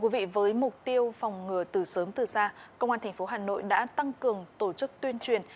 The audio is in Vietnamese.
với mục tiêu phòng ngừa từ sớm từ xa công an thành phố hà nội đã tăng cường tổ chức tuyên truyền